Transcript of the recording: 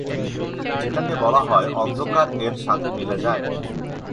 যেটাকে বলা হয় "অন্ধকার" এর সাথে মিলে যায়।